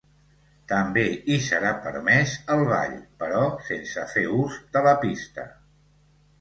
També hi serà permès el ball, però sense fer ús de la pista.